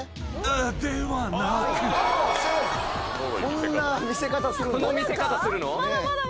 こんな見せ方するんだ。